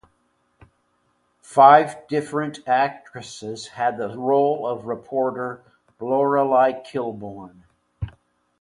Five different actresses had the role of reporter Lorelei Kilbourne.